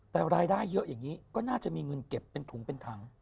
แต่รายได้เยอะอย่างนี้ก็น่าจะมีเงินเก็บเป็นถุงเป็นถัง